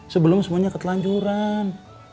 sebelum semuanya ketelanjuran